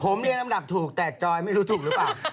ผมเรียนลำดับถูกแต่จอยไม่รู้ถูกหรือเปล่า